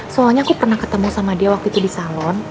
soalnya aku pernah ketemu sama dia waktu itu di salon